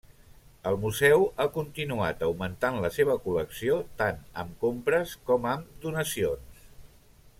El museu ha continuat augmentant la seva col·lecció tant amb compres com amb donacions.